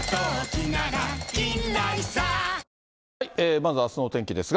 まずあすの天気ですが。